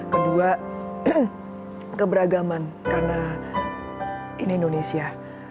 kedua keberagaman karena ini indonesia